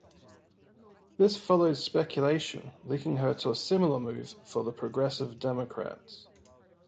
This followed speculation linking her to a similar move for the Progressive Democrats.